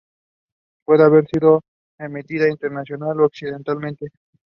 William Long was the member for Central Cumberland.